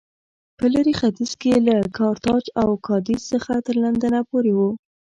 په لېرې ختیځ کې له کارتاج او کادېس څخه تر لندنه پورې و